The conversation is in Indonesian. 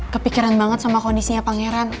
kepikiran banget sama kondisinya pangeran